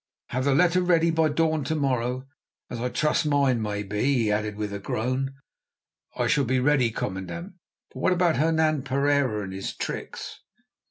Have the letter ready by dawn to morrow morning, as I trust mine may be," he added with a groan. "It shall be ready, commandant; but what about Hernan Pereira and his tricks?"